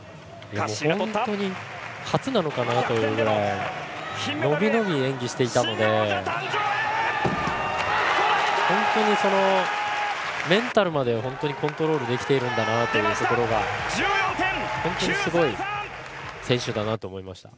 本当に初なのかなというぐらい伸び伸び演技をしていたのでメンタルまでコントロールできているんだなというところが本当にすごい選手だなと思いました。